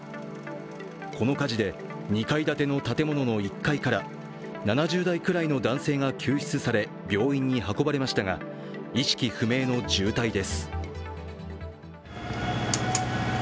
この火事で２階建ての建物の１階から７０代ぐらいの男性が救出され病院に運ばれましたが、意識不明の重体です。